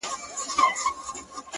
هغه ولس چي د -